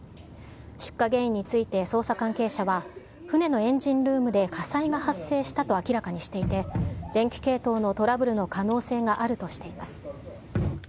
出火原因について捜査関係者は船のエンジンルームで火災が発生したと明らかにしていて、電気系統のトラブルの可能性があるとしています。